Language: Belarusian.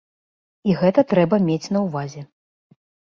І гэта трэба мець на ўвазе.